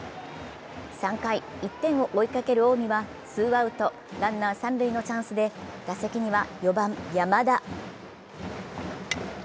３回、１点を追いかける近江はツーアウト、ランナーが三塁のチャンスで打席には４番・山田。